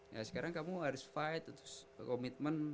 ya sekarang kamu harus fight terus komitmen